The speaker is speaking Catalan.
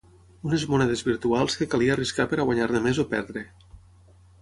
Unes monedes virtuals que calia arriscar per a guanyar-ne més o perdre.